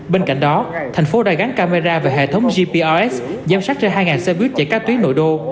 bên cạnh đó thành phố đã gắn camera và hệ thống gprs giám sát trên hai xe buýt chạy các tuyến nội đô